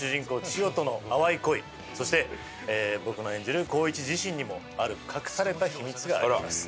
千代との淡い恋そして僕の演じる航一自身にもある隠された秘密があります。